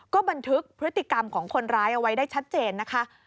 ก็บันทึกพฤติกรรมของคนร้ายเอาไว้ได้ชัดเจนนะคะ